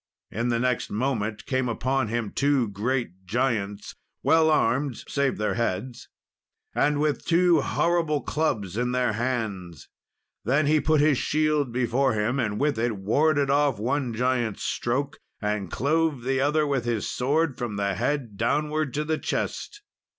In the next moment came upon him two great giants, well armed save their heads, and with two horrible clubs in their hands. Then he put his shield before him, and with it warded off one giant's stroke, and clove the other with his sword from the head downward to the chest.